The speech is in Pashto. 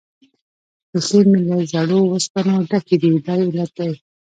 پښې مې له زړو اوسپنو ډکې دي، دا یې علت دی.